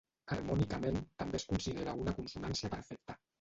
Harmònicament també es considera una consonància perfecta.